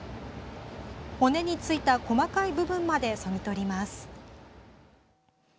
骨についた細かい部分までそぎ取ります。